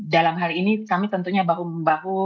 dalam hal ini kami tentunya bahu membahu